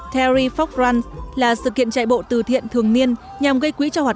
terry fox runs là sự kiện chạy bộ từ thiện thường niên nhằm gây quỹ cho hoàn toàn các bệnh nhân